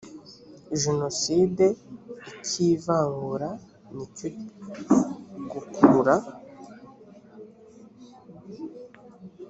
jenoside icy ivangura n icyo gukurura